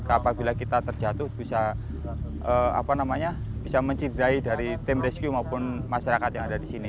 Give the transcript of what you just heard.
apabila kita terjatuh bisa mencintai dari tim rescue maupun masyarakat yang ada di sini